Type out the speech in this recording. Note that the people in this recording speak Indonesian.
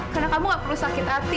karena kamu gak perlu sakit hati